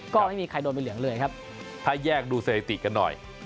ก็ไม่มีใครโดนใบเหลืองเลยครับถ้าแยกดูสถิติกันหน่อย